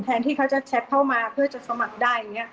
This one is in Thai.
แทนที่เขาจะแชทเข้ามาเพื่อจะสมัครได้